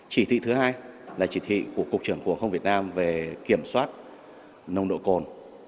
chỉ thị thứ hai là chỉ thị của cục trưởng của hồng việt nam về kiểm soát nông độ cồn